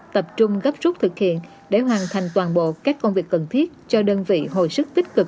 tập trung gấp rút thực hiện để hoàn thành toàn bộ các công việc cần thiết cho đơn vị hồi sức tích cực